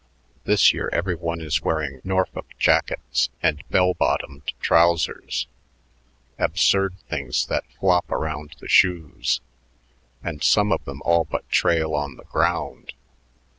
This year every one is wearing Norfolk jackets and bell bottomed trousers, absurd things that flop around the shoes, and some of them all but trail on the ground.